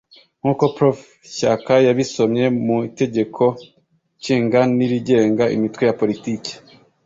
nk’uko Prof Shyaka yabisomye mu itegeko nshinga n’irigenga imitwe ya politiki